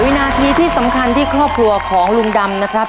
วินาทีที่สำคัญที่ครอบครัวของลุงดำนะครับ